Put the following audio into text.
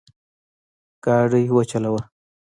ګاډی وچلوه